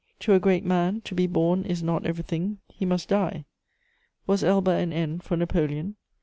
To a great man, to be born is not everything: he must die. Was Elba an end for Napoleon?